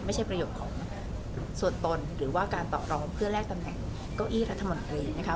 ประโยชน์ของส่วนตนหรือว่าการตอบรองเพื่อแลกตำแหน่งเก้าอี้รัฐมนตรีนะคะ